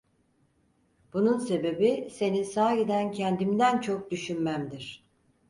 Bunun sebebi, seni sahiden kendimden çok düşünmemdir…